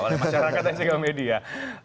oleh masyarakat dan juga media